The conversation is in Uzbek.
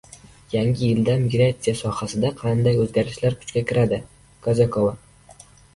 Yangi yildan migrasiya sohasida qanday o‘zgarishlar kuchga kiradi – Kazakova